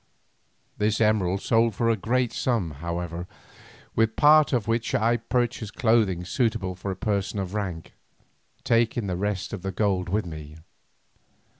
This emerald sold for a great sum, however, with part of which I purchased clothing suitable to a person of rank, taking the rest of the gold with me.